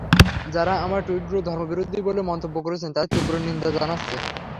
যাঁরা আমার টুইটগুলো ধর্মবিরোধী বলে মন্তব্য করছেন তাঁদের তীব্র নিন্দা জানাচ্ছি।